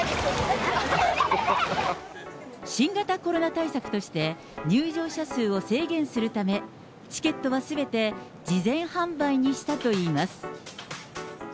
新型コロナ対策として、入場者数を制限するため、チケットはすべて事前販売にしたといいます。